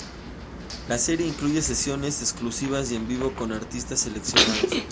La serie incluye sesiones exclusivas y en vivo con artistas seleccionados.